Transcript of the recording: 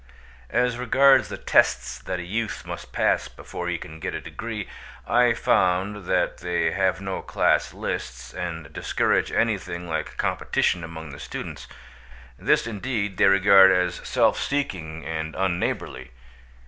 As regards the tests that a youth must pass before he can get a degree, I found that they have no class lists, and discourage anything like competition among the students; this, indeed, they regard as self seeking and unneighbourly.